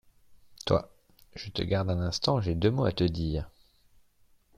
Toi, je te garde un instant, j'ai deux mots à te dire.